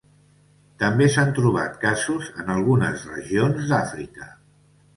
També s'han trobat casos en algunes regions d'Àfrica.